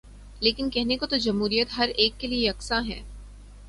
لیکن کہنے کو تو جمہوریت ہر ایک کیلئے یکساں ہے۔